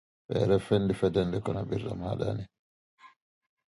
Een gele pauw pronkt met zijn veren.